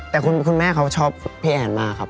แต่คุณแม่เขาชอบพี่แอนมากครับ